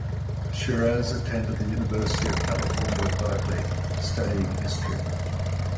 Shiras attended the University of California at Berkeley, studying history.